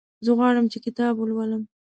زه غواړم چې کتاب ولولم.